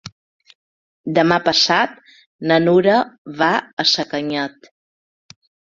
Demà passat na Nura va a Sacanyet.